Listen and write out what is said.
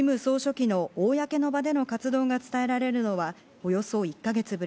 キム総書記の公の場での活動が伝えられるのは、およそ１か月ぶり